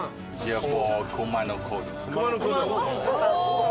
やっぱ。